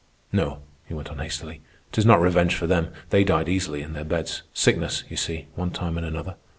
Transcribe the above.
No," he went on hastily, "'tis not revenge for them. They died easily in their beds—sickness, you see, one time and another.